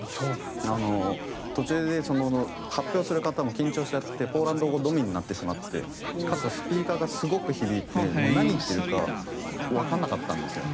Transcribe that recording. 途中で発表する方も緊張しちゃってポーランド語のみになってしまってかつ、スピーカーがすごく響いて何を言っているかわからなかったんですよ。